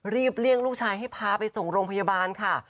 เลี่ยงลูกชายให้พาไปส่งโรงพยาบาลค่ะ